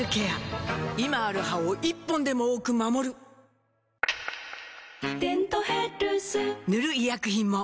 今ある歯を１本でも多く守る「デントヘルス」塗る医薬品も